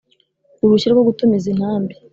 uruhushya rwo gutumiza intambi